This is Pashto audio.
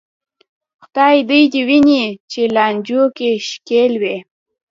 خدای دې دې ویني چې لانجو کې ښکېل وې.